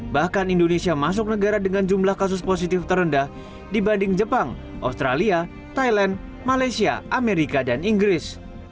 bahkan indonesia masuk negara dengan jumlah kasus positif terendah dibanding jepang australia thailand malaysia amerika dan inggris